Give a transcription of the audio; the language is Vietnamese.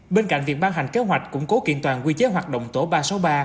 bên cạnh việc ban hành kế hoạch củng cố kiện toàn quy chế hoạt động tổ ba trăm sáu mươi ba